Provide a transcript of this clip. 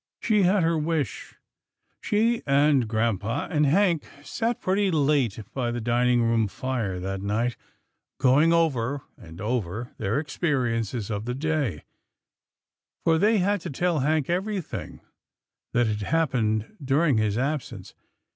She had her wish. She and grampa and Hank sat pretty late by the dining room fire that night, going over and over their experiences of the day, for they had to tell Hank everything that had hap pened during his absence.